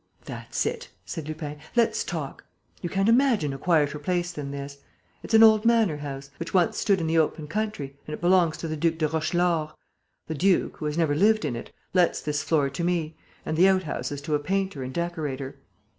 "That's it," said Lupin, "let's talk. You can't imagine a quieter place than this. It's an old manor house, which once stood in the open country, and it belongs to the Duc de Rochelaure. The duke, who has never lived in it, lets this floor to me and the outhouses to a painter and decorator.